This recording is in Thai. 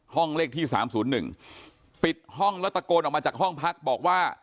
ห้องเลขที่สามศูนย์หนึ่งปิดห้องแล้วตะโกนออกมาจากห้องพักบอกว่า